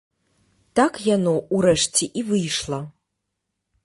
Так яно, урэшце, і выйшла.